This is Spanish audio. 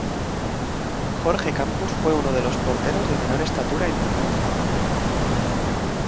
Jorge Campos fue uno de los porteros de menor estatura en el mundo.